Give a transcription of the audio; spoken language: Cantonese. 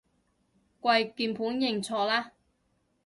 跪鍵盤認錯啦